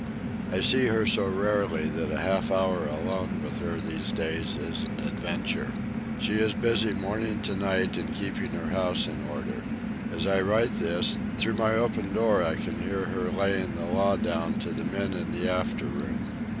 I see her so rarely that a half hour alone with her these days is an adventure. She is busy morning to night in keeping her house in order. As I write this, through my open door I can hear her laying the law down to the men in the after room.